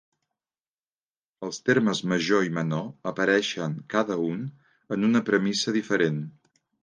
Els termes major i menor apareixen, cada un, en una premissa diferent.